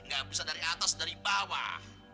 gak bisa dari atas dari bawah